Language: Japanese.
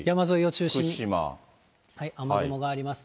雨雲があります。